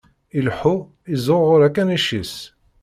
Ileḥḥu, iẓẓuɣuṛ akanic-is.